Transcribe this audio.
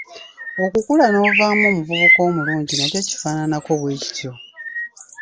Okukula n'ovaamu omuvubuka omulungi nakyo kifaananako bwe kityo.